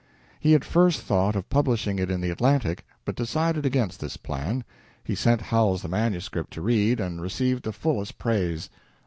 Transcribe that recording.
He at first thought of publishing it in the "Atlantic", but decided against this plan. He sent Howells the manuscript to read, and received the fullest praise.